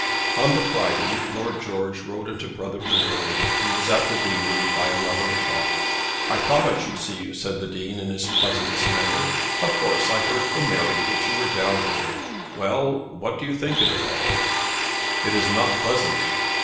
On the Friday Lord George rode into Brotherton early, and was at the Deanery by eleven o'clock. "I thought I should see you," said the Dean, in his pleasantest manner. "Of course, I heard from Mary that you were down here. Well; what do you think of it all?" "It is not pleasant."